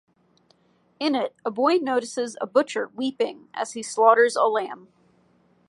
In it a boy notices a butcher weeping as he slaughters a lamb.